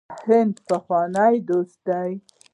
هند یو پخوانی دوست دی.